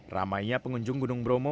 ramainya pengunjung gunung bromo